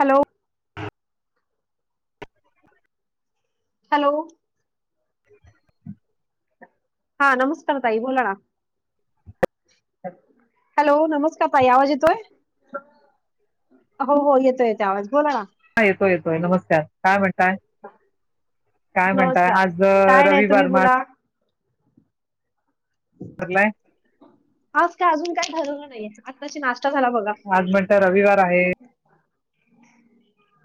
Hello. Hello. [inaudible] हा नमस्कार ताई बोला ना. हॅलो! नमस्कार ताई आवज येतोय? हो, हो येतोय, येतोय आवाज बोला ना. हा येतोय, येतोय नमस्कार काय म्हणताय? काय म्हणताय? नमस्कार आज काय नाही तुम्ही रविवार मं आज बोला भरलाय. आज काय अजून काही ठरवलं नाही आत्ताची नाश्ता झाला बघा. आज म्हणता रविवार आहे.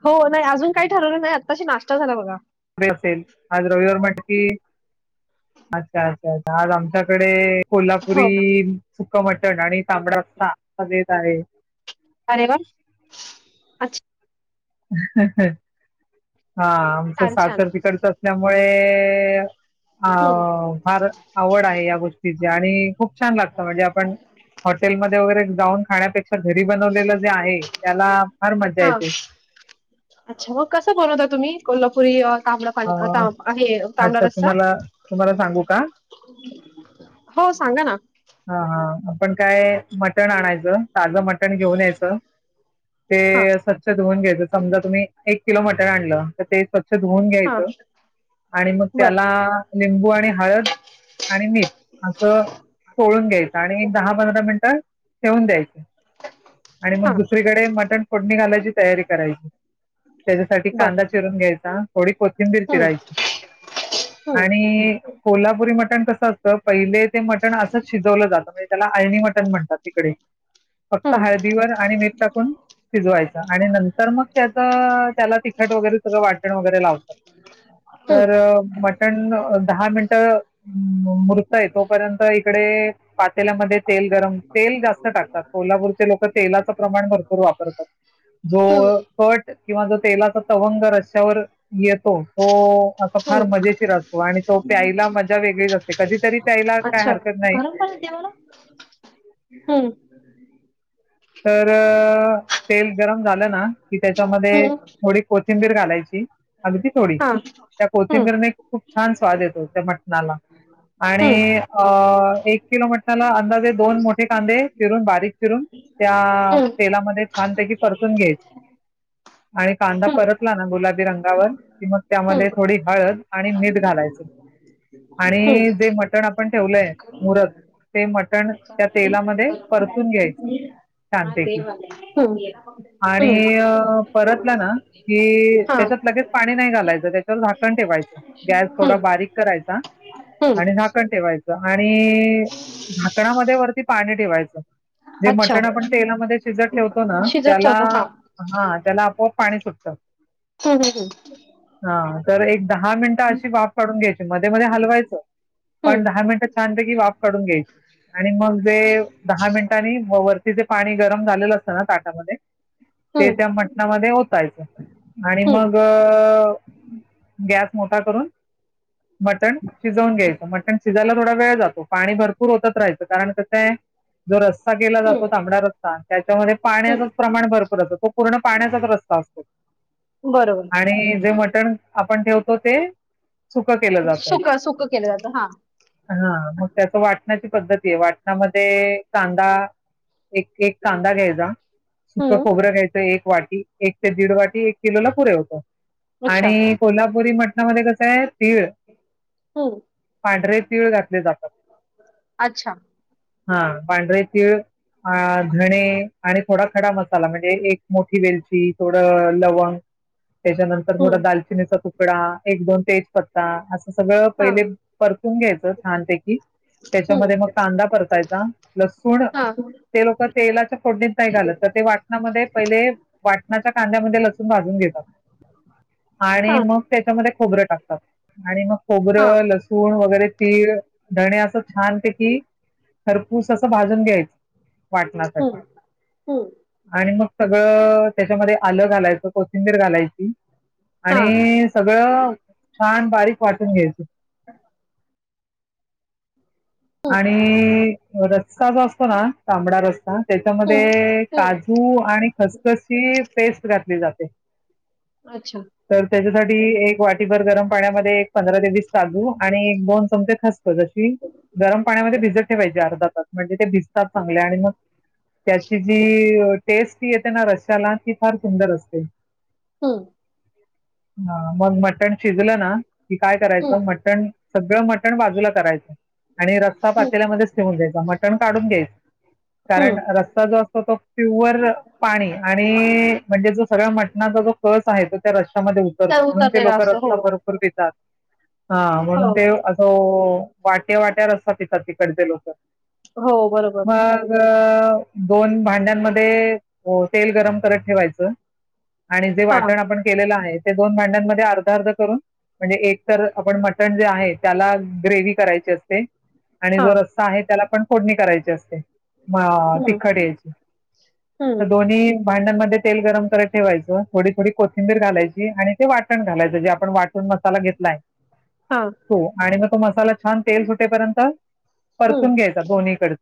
हो नाही अजून काही ठरवलं नाही आत्ताशी नाश्ता झाला बघा. असेल, आज रविवार म्हटलं की. अच्छा! अच्छा! अच्छा! आज आमच्याकडे हो का कोल्हापुरी सुकं मटण आणि तांबडा रस्सां देत आहे. अरे वा! अच्छा. हा आमचं छान छान सासर तिकडच असल्यामुळे अ हम्म फार आवड आहे या गोष्टीची आणि खूप छान लागतं म्हणजे आपण हॉटेलमध्येध्ये वगैरे जाऊन खाण्यापेक्षा घरी बनवलेलं जे आहे त्याला फार मज्जा हा येते. अच्छा मग कसं बनवता तुम्ही कोल्हापुरी तांबडा [unintelligible] आता अ आहे तांबडा अच्छा रसा. तुम्हाला तुम्हाला सांगू का हो सांगा ना. हा हा आपण काय मटण आणायचं ताजं मटण घेऊन यायचं. ते हा स्वच्छ धुऊून घ्यायचं समजा तुम्ही एक किलो मटन आणलं तर ते स्वच्छ धुऊन हा घ्यायचं. आणि मग बर त्याला लिंबू आणि हळद आणि मीठ असं उकळून घ्यायच आणि दहा पंधरा मिनट ठेवून द्यायचं आणि हा मग दुसरं तिकडे मटण फोडणी घालायची तयारी करायची त्याच्यासाठी बर कांदा चिरून घ्यायचा. थोडी कोथिंबीर हम्म चिरायची. हम्म आणि कोल्हापुरी मटण कसं असतं. पहिले ते मटण असंच शिजवलं जात. म्हणजे त्याला आळणी मटण म्हणतात तिकडे फक्त हम्म हळदीवर आणि मीठ टाकून. शिजवायचं आणि नंतर मग त्याच त्याला तिखट वगैरे सगळं वाटण वगैरे लावतात. हम्म तर मटण दहा मिनटं मुरतय तोपर्यंत इकडे पातेल्यामध्ये तेल गरम तेल जास्त टाकतात. कोल्हापूरचे लोक तेलाचं प्रमाण भरपूर वापरतात. हम्म जो कट किंवा जो तेलाचा तवंग रस्यांवर येतो तो असा फार हम्म मजेशीर असतो आणि तो प्यायला मजा वेगळीच असते कधीतरी प्यायला काय अच्छा हरकत नाही गरम पाणी दया. बरं हं तर तेल गरम झालं ना, की त्याच्यामध्ये हम्म थोडी कोथिंबीर घालायची. अगदी थोडी हा त्या हम्म कोथिंबीरने खूप छान स्वाद येतो. त्या मटणाला आणि हम्म अ एक किलो मटनाला अंदाजे दोन मोठे कांदे चिरून बारीक चिरून त्या हम्म तेलामध्ये छानपैकी परतून घ्यायचे. आणि कांदा हम्म परतला ना गुलाबी रंगावर कि मग त्यामध्ये थोडी हम्म हळद आणि मीठ घालायच हम्म आणि जे मटण मटण आपण ठेवलंय मुरत ते मटण त्या तेलामध्ये परतून घ्यायचं. हा छानपैकी तेेल वाले आणि परतला ना. कि हा त्याच्यात लगेच पाणी नाही घालायचं त्याच्यावर झाकण ठेवायचं. गॅस थोडा हम्म बारीक करायचा. हम्म, आणि झाकण ठेवायचं आणि झाकणामध्ये वरती पाणी ठेवायच. ते मटण अच्छा कारण आपण तेलामध्ये शिजत ठेवतो. ना शिजत त्याला ठेवता हा हा त्याला आपोआप पाणी सुटतं. हम्म हम हम हा तर एक दहा मिनिटं अशी वाफ काढून घ्यायची मध्ये मध्ये हलवायचं. हम्म पण दहा मिनटं छानपैकी वाफ काढून घ्यायची आणि मग तेे दहा मिनिटांनी मग वरती तिथे पाणी गरम झालेलं असतं ना ताटामध्ये हम्म ते हम्म त्या मटणामध्ये ओतायचं आणि हम्म मग गॅस मोठा करून, मटण शिजवून घ्यायचं. मटण शिजायला थोडा वेळ जातो पाणी भरपूर ओतच राहायचं कारण कसं आहे. जो रस्ता केला जातो. हम्म तांबडा रस्सा त्याच्यामध्ये पाण्याचच हम्म प्रमाण भरपूर असतं तो पूर्ण पाण्याचाच रस्ता असतो. बरोबर आणि जे मटण आपण ठेवतो ते सुख केलं जातं. सुक सुक केलं जातं हा हा मग त्याच वाटणाची पद्धती आहे वाटणामध्ये कांदा, एक एक कांदा घ्यायचा, सुक हम्म खोबरं घ्यायचं एक वाटी एक ते दीड वाटी एक किलो ला पुरे होत. अच्छा आणि कोल्हापुरी मटणामध्ये कसंय. तीळ, हो पांढरे तीळ घातले जातात. अच्छा हा पांढरे तीळ अ धणे आणि थोडा खडा मसाला म्हणजे एक मोठी वेलची, थोडं लवंग त्याच्यानंतर हम्म थोडा दालचिनीचा तुकडा, एक दोन तेजपत्ता अस सगळं हा पहिले परतून घ्यायचं छानपैकी त्याच्यामध्ये मग हम्म कांदा परतायचा लसूण, हा. ते लोक तेलाच्या फोडणीत नाही घालत तर ते वाटणामध्ये पहिले वाटणाच्या कांद्यामध्ये लसूण भाजून घेतात, हा आणि मग- त्याच्यामध्ये खोबरं टाकतात, आणि मग हा खोबरं ल सूण वगैरे तीळ धणे असं छानपैकी खरपूस असं भाजून घ्यायचं. वाटण्यासाठी. हम्म हम्म आणि मग सगळं त्याच्यामध्ये आलं घालायचं, कोथिंबीर घालायची. हा आणि सगळं छान बारीक वाटून घ्यायच. आणि रस्सा जो असतो ना, तांबडा रस्सा हं. त्याच्यामध्ये हं. काजू आणि खसख ही पेस्ट घातली जाते. अच्छा! तर त्याच्यासाठी एक वाटीभर गरम पाण्यामध्ये एक पंधरा ते वीस काजू आणि एक दोन चमचे खस सदशी गरम पाण्यामध्ये भिजत ठेवायेचे अर्धा तास. म्हणजे ते भिजतात चांगले आणि मग त्याची जी टेस्ट तरी येते ना रशियाला ती फार सुंदर असते. हम. ह मग मटण शिजलं ना की काय हं. करायचं, मटण सगळं मटण बाजूला करायचं. आणि रस्सा हं. पातेल्यामध्येच ठेवून द्यायचा मटण काढून घ्यायचं, हं. कारण रस्सा जो असतो तो प्युअर पाणी आणि म्हणजे जो सगळ्या मटणाचा जो कस आहे तो त्या रश्यामध्येत तर म्हणून ते उतरलेला लोक असतो. रस्ता हो. भरपूर देतात, हा म्हणून हो. ते अस वाट ते वाट्यार असतात तिथं तिकडचे लोक. हो बरोबर. मग दोन भांड्यांमध्ये तेल गरम करत ठेवायचं. आणि जे हां. वाटण आपण केलेलं आहे, ते दोन भांड्यांमध्ये अर्ध अर्ध करून- म्हणजे एक तर आपण मटण जे आहे त्याला ग्रेव्ही करायची असते. आणि जो हां. रस्सा आहे त्याला पण फोडणी करायची असते. ममम हं. तिखट ह्यची त हं. दोन्ही भांड्यांमध्ये तेल गरम करत ठेवायचं थोडी थोडी कोथिंबीर घालायची आणि ते वाटण घालायचं जे आपण वाटून मसाला घेतला आहे हां. तो आणि मग तो मसाला छान तेल सुटेपर्यंत परतून हं. घ्यायचा दोन्हीकड,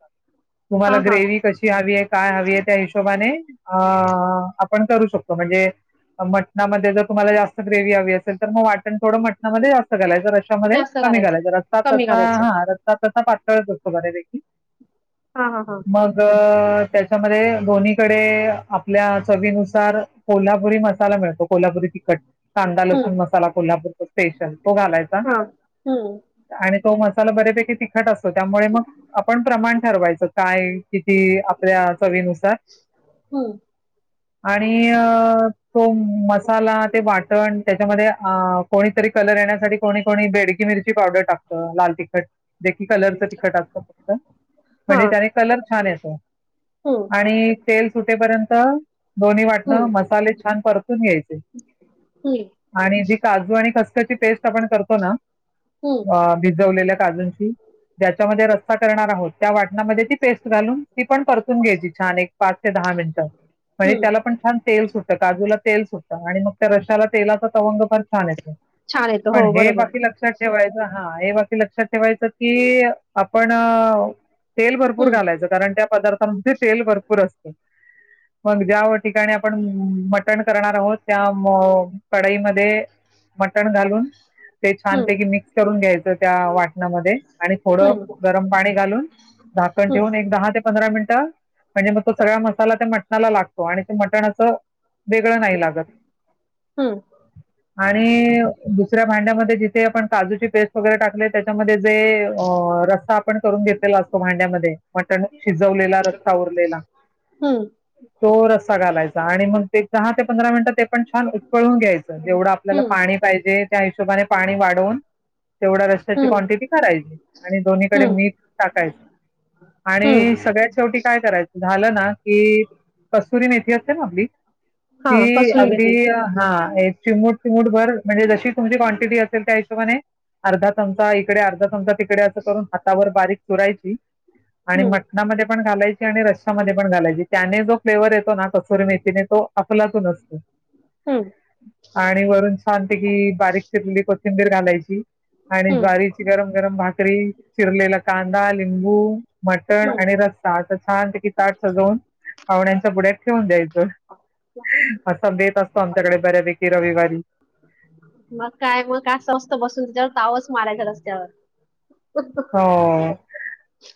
तुम्हाला हां, हां. ग्रेवी कशी किती हवी आहे काय हवी आहे त्या हिशोबाने, अअअ आपण करू शकतो म्हणजे मटणामध्ये जर तुम्हाला जास्त ग्रेवी हवी असेल तर मग वाटण थोडं मटणामध्ये जास्त घालायच रश् त्याच्यामध्ये जास्त कमी घालायचं रस्सा कमी तसा, घालायचं. हां रस्सा तसा पातळच असतो बऱ्यापैकी. हां हां हां अअअ त्याच्यामध्ये दोन्हीकडे आपल्या चवीनुसार कोल्हापुरी मसाला मिळतो, कोल्हापुरी तिखट. कांदा हं. लसूण मसाला कोल्हापूरचा स्पेशल तो घालायचा, हां. हं. आणि तो मसाला बऱ्यापैकी तिखट असतो, त्यामुळे मग आपण प्रमाण ठरवायचं काय किती, आपल्या चवीनुसार हं. आणि तो मसाला ते वाटण त्याच्यामध्ये अ कोणीतरी कलर येण्यासाठी कोणी कोणी बेडकी मिरची पावडर टाकतं, लाल तिखट, देखील कलरचं तिखट असतं फक्त म्हणजे हां. त्याने कलर छान येतो. हं. आणि तेल सुटेपर्यंत दोन्ही वाटणं हं. मसाले छान परतून घ्यायचे. हं. आणि जी काजू आणि खसखसची पेस्ट आपण करतो ना हं. अ भिजवलेल्या काजूंची ज्याच्यामध्ये रस्सा करणार आहोत, त्या वाटणामध्ये ती पेस्ट घालून ती पण परतून घ्यायची छान एक पाच ते दहा मिनिटं, म्हणजे हं. त्याला पण छान तेल सुट तर काजूला तेल सुटत आणि मग त्या रश्शाला तेलाचा तवंग फार छान येतो, छान येतो. पण हो हे बरोबर. बाकी लक्षात ठेवायचं हां हे बाकी लक्षात ठेवायचं की आपणं तेल भरपूर हं. घालायचं कारण त्या पदार्थांमध्ये तेल भरपूर असतं. मग ज्या ठिकाणी आपण मटण करणार आहोत त्या मग कढईमध्ये मटण घालून, ते हं. छानपैकी मिक्स करून घ्यायच त्या वाटणामध्ये आणि थोडं हं. गरम पाणी घालून झाकण हं. ठेवून एक दहा ते पंधरा मिनिटं, म्हणजे मग तो सगळा मसाला त्या मटणाला लागतो आणि ते मटण असं वेगळं नाही लागत. हं. आणिईई दुसऱ्या भांड्यामध्ये जिथे आपण काजूची पेस्ट वगैरे टाकलेय त्याच्यामध्ये जेजेजे अअ रस्सा आपण करून घेतलेला असतो भांड्यामध्ये मटण शिजवलेला रस्सा उरलेला हं. तो रस्सा घालायचा आणि मग ते दहा ते पंधरा मिनिटं ते पण छान उकळून घ्यायचं, जेवढं आपल्याला हं. पाणी पाहिजे त्या हिशोबाने पाणी वाढवून तेवढ्या रश्शची हं. क्वांटिटी करायची आणि दोन्हीकडे हं. मीठ टाकायचे. हं. आणिईई सगळ्यात शेवटी काय करायचं झालं ना की कसुरी मेथी असते बघ आपली, हा ती कसुरी अगदी मेथी [unintelligible] हां एक चिमुूट मूठभर म्हणजे जशी तुमची क्वांटिटी असेल त्या हिशोबाने, अर्धा चमचा इकडे अर्धा चमचा तिकडे असं करून हातावर बारीक चुरायची आणि हम्म मटणामध्ये पण घालाय ती आणि रश्या मध्ये पण घालायची. त्याने जो फ्लेवर येतो ना कसूरी मेथीने तो अफलातून असतो. हम्म आणि वरून छानपैकी बारीक चिरलेली कोथिंबीर घालायची. आणि हम्म ज्वारीची गरम गरम भाकरी चिरलेला कांदा लिंबू मटण हम्म आणि रस्सा असा छानपैकी ताट सजवून पावण्यांच्या पुड्यात ठेवून द्यायचं. [unintelligible] असा बेत असतो आमच्याकडे बऱ्यापैकी रविवारी. मग काय, मग काय स्वस्थ बसून त्याच्यावर तावच मारायचा रस्यावर. हो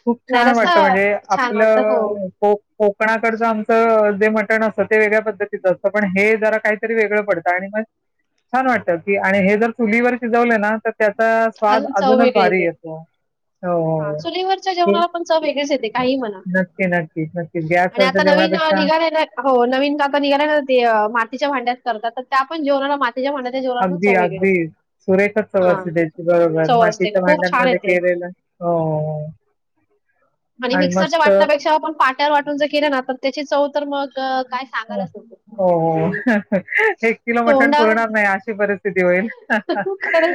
खूप नाही छान रस्ता वाटत म्हणजे छान वाटत हो आपलं प कोकणाकडचं आमचं जे मटण असतं ते वेगळ्या पद्धतीचं असतं पण हे जरा काही वेगळ पडत आणि मग छान वाटत की आणि हे जर चुलीवर शिजवलं ना तर त्याचा स्वाद अजून चव अजूनच वेगळी भारी येते येतो हा हो. चुलीवरच्या ते जेवणाला पण चव वेगळीच येते ते काही म्हणा नक्की नक्कीच नक्कीच आणि गॅसवरच्या आता नवीन जेवणापेक्षा निघालय ना हो नवीन आता निघालय ना मातीच्या भांड्यात करतात तर त्या पण जेवणाला मातीच्या भांड्यात अगदी अगदी सुरेखच चव हा असते त्याची बरोबर चव असते मातीच्या खूप छान भांड्यांमध्ये येते केलेलं हो हो आणि मिक्सरच्या वाटण्यापेक्षा आपण पाट्यावर वाटून जर केलं ना तर त्याची चव तर मग काय सांगायलाच नको हो हो एक किलो मटण तोंडा पुरणार नाही अशी परिस्थि खरं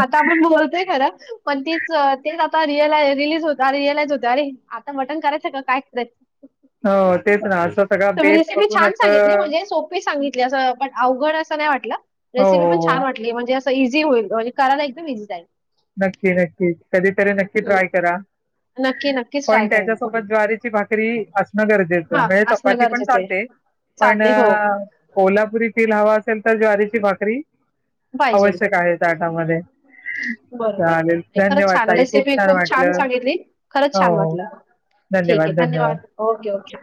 आता आपण बोलतोय खर पण तीच तेच आता रिअला रिलीज होत रिअलाइज होत अरे आता मटण करायचंय का काय‌ करायचं हो, तेच ना असं सगळा बेेत बघून असं मी सांगितली असं पण अवघड असं नाही वाटलं, हो, रेसिपी हो. पण हो. छान वाटली. हे म्हणजे असं इझी होईल, म्हणजे करायला एकदम इझी जाईल. नक्की नक्की कधीतरी नक्की ट्राय हो. करा नक्की नक्कीच पण ट्राय करेन त्याच्यासोबत ज्वारीेची भाकरी असणं गरजेचं हा म्हणजे असणं चपाती पण गरजेचं आहे. चालते पण चालते हो कोल्हापुरीतील हवा असेल तर ज्वारीची भाकरी पाहिजे आवश्यक आहे ताटामध्ये चालेल खरंच धन्यवाद छान ताई खूप रेसिपी छान वाटलं सांगितली. खरंच हो छान हो वाटलं ठीक धन्यवाद आहे धन्यवाद ओके ओके